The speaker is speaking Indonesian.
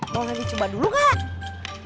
boleh dicoba dulu kang